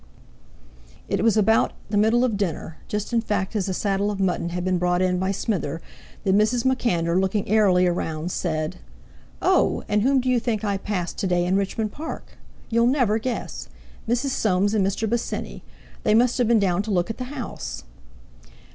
It was about the middle of dinner, just in fact as the saddle of mutton had been brought in by Smither, that Mrs. MacAnder, looking airily round, said: "Oh! and whom do you think I passed to day in Richmond Park? You'll never guess—Mrs. Soames and—Mr. Bosinney. They must have been down to look at the house!"